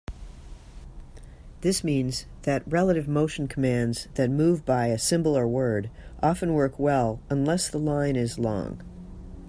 This means that relative motion commands that move by a symbol or word often work well unless the line is long.